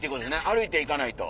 歩いて行かないと。